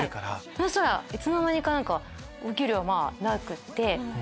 そしたらいつの間にかお給料なくって。